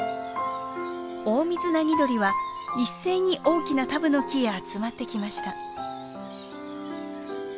オオミズナギドリは一斉に大きなタブノキへ集まってきました。